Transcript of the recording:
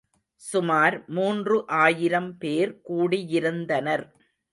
சுமார் மூன்று ஆயிரம் பேர் கூடியிருந்தனர்.